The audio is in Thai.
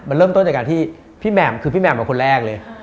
มันเริ่มต้นจากการที่พี่แหม่มคือพี่แหม่มเป็นคนแรกเลย